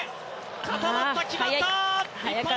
固まった、決まった！